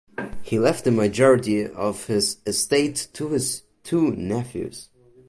He left the majority of his estate to his two nephews.